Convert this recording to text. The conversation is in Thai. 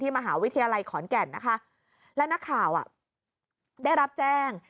มหาวิทยาลัยขอนแก่นนะคะแล้วนักข่าวอ่ะได้รับแจ้ง